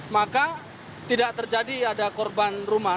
maka tidak terjadi ada korban rumah